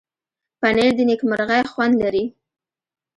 پنېر د نېکمرغۍ خوند لري.